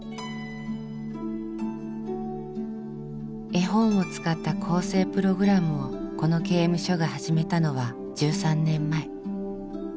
絵本を使った更生プログラムをこの刑務所が始めたのは１３年前。